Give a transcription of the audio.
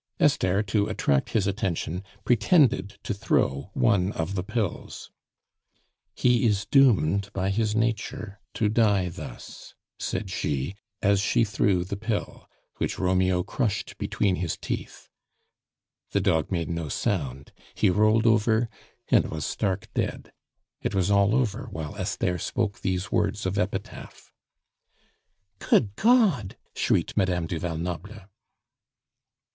Esther, to attract his attention, pretended to throw one of the pills. "He is doomed by his nature to die thus," said she, as she threw the pill, which Romeo crushed between his teeth. The dog made no sound, he rolled over, and was stark dead. It was all over while Esther spoke these words of epitaph. "Good God!" shrieked Madame du Val Noble.